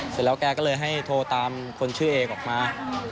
เสร็จแล้วแกก็เลยให้โทรตามคนชื่อเอกออกมา